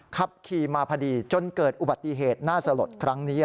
ขับขี่มาพอดีจนเกิดอุบัติเหตุน่าสลดครั้งนี้